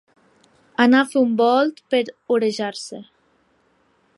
Anar a fer un volt per orejar-se.